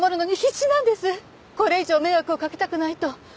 これ以上迷惑をかけたくないと。